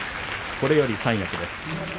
これより三役です。